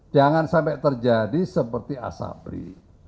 jangan sampai terjadi seperti asabri